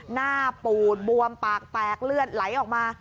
หน้าปูดบวมปากแตกเลือดไหลออกมา